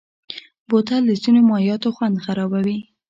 بوتل د ځینو مایعاتو خوند خرابوي.